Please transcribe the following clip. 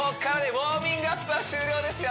ウォーミングアップは終了ですよ